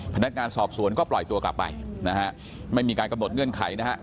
พนักงานสอบสวนก็ปล่อยตัวกลับไปนะฮะไม่มีการกำหนดเงื่อนไขนะฮะ